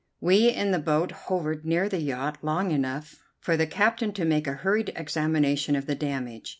We in the boat hovered near the yacht long enough for the captain to make a hurried examination of the damage.